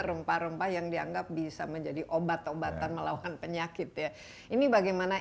rempah rempah yang dianggap bisa menjadi obat obatan melawan penyakit ya ini bagaimana